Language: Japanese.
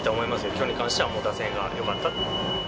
きょうに関しては打線がよかった。